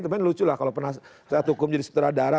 teman teman lucu lah kalau pernah saya tukum jadi sutradara